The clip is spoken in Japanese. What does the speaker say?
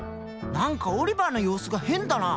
何かオリバーの様子が変だな？